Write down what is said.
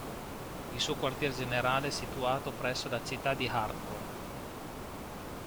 Il suo quartier generale è situato presso la città di Hartford.